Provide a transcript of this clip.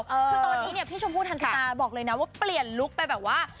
คือตอนนี้เนี่ยพี่ชมพู่ทันตนาบอกเลยนะว่าเปลี่ยนลุคไปแบบว่า